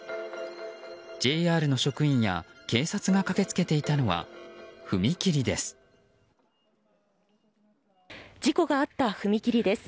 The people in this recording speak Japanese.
ＪＲの職員や警察が駆けつけていたのは踏切です。